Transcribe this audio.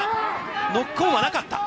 ノックオンはなかった。